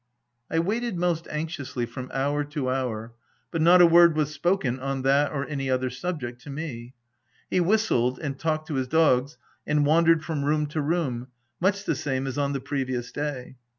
I waited most anxiously, from hour to hour ; but not a word was spoken, on that or any other subject, to me. He whistled, and talked to his dogs, and wandered from room to room, much the same as on the previous day.